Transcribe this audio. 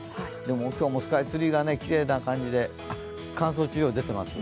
今日もスカイツリーがきれいな感じで乾燥注意報出ています。